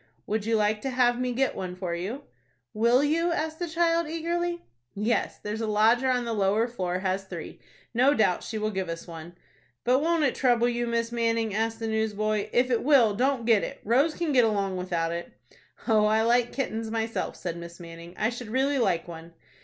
"Would you like to have me get one for you?" "Will you?" asked the child, eagerly. "Yes; there's a lodger on the lower floor has three. No doubt she will give us one." "But won't it trouble you, Miss Manning?" asked the newsboy. "If it will, don't get it. Rose can get along without it." "Oh, I like kittens myself," said Miss Manning; "I should really like one."